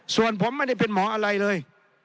ส่วนผมไม่ได้เป็นหมออะไรเลย